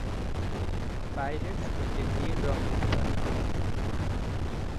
Pirates একটি নীল রঙ দিতে পারে।